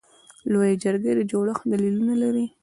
لویه جرګه د جوړښت دلیلونه لري.